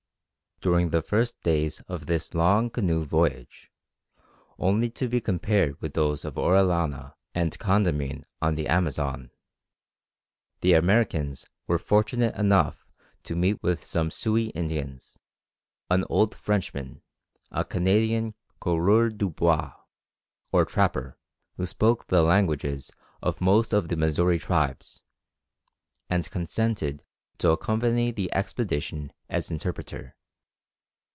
During the first days of this long canoe voyage, only to be compared to those of Orellana and Condamine on the Amazon, the Americans were fortunate enough to meet with some Sioux Indians, an old Frenchman, a Canadian coureur des bois, or trapper, who spoke the languages of most of the Missouri tribes, and consented to accompany the expedition as interpreter.